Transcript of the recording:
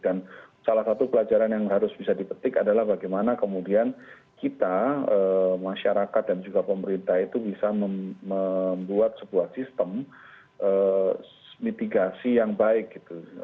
dan salah satu pelajaran yang harus bisa dipetik adalah bagaimana kemudian kita masyarakat dan juga pemerintah itu bisa membuat sebuah sistem mitigasi yang baik gitu